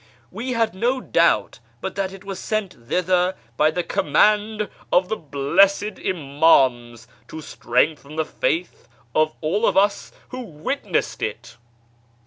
We had no doubt but that it was sent thither by the command of the blessed Imams to strengthen the faith of all of us who witnessed it."